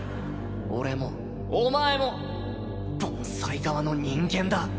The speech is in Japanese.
俺もお前も凡才側の人間だ。